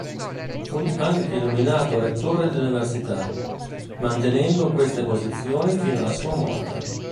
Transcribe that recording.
Fu anche nominato rettore dell'università, mantenendo queste posizioni fino alla sua morte.